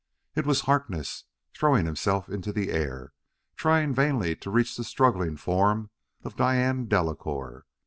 It was Harkness, throwing himself into the air, trying vainly to reach the struggling form of Diane Delacouer.